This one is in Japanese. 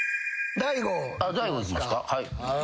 大悟ですか。